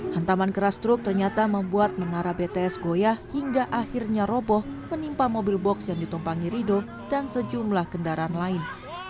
hantaman keras truk ternyata membuat menara bts goyah hingga akhirnya roboh menimpa mobil box yang ditumpangi rido dan sejumlah kendaraan lain